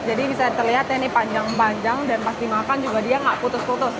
jadi bisa dilihat panjang panjang dan pas dimakan juga tidak putus putus